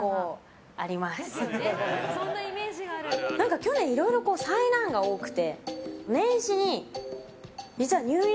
去年いろいろ災難が多くて。